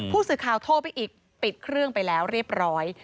ผู้สื่อข่าวโทรไปอีกปิดเครื่องไปแล้วเรียบร้อย